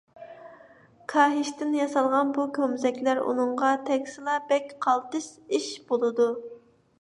كاھىشتىن ياسالغان بۇ كومزەكلەر ئۇنىڭغا تەگسىلا بەك قالتىس ئىش بولىدۇ.